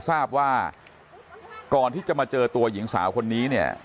ทราบว่าก่อนที่จะมาเจอตัวหญิงสาวคนนี้เนี่ย